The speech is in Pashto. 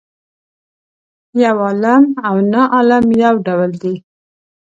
یو عالم او ناعالم یو ډول دي.